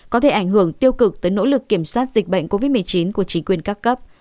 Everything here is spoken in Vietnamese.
có thể ảnh hưởng tiêu cực tới nỗ lực kiểm soát dịch bệnh covid một mươi chín của chính quyền các cấp